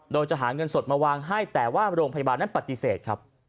โดยจะหาเงินสดมาวางให้แต่ว่าโรงพยาบาลนั้นปฏิเสธครับ